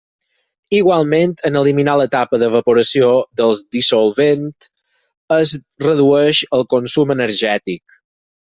Igualment, en eliminar l'etapa d'evaporació del dissolvent es redueix el consum energètic.